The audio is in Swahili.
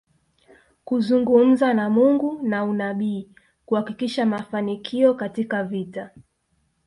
Kuzungumza na Mungu na unabii kuhakikisha mafanikio katika vita